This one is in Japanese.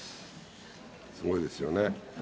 すごいですよね。